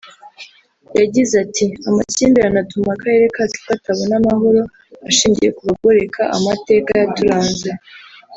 yagize“ati amakimbirane atuma akarere kacu katabona amahoro ashingiye ku bagoreka amateka yaturanze